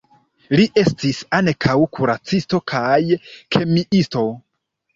Li estis ankaŭ kuracisto kaj kemiisto.